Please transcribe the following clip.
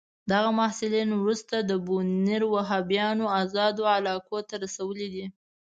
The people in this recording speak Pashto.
دغه محصلین وروسته د بونیر وهابیانو آزادو علاقو ته رسولي دي.